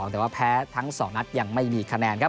แต่ว่าแพ้ทั้งสองนัดยังไม่มีคะแนนครับ